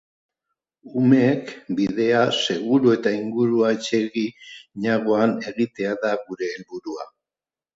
Umeek bidea seguru eta inguru atseginagoan egitea da gure helburua.